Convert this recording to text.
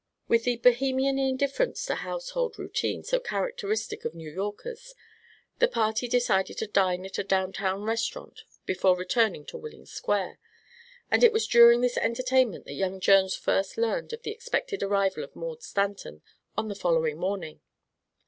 With the Bohemian indifference to household routine so characteristic of New Yorkers, the party decided to dine at a down town restaurant before returning to Willing Square, and it was during this entertainment that young Jones first learned of the expected arrival of Maud Stanton on the following morning.